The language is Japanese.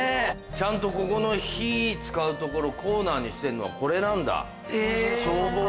ちゃんとここの火使うところコーナーにしてるのはこれなんだ。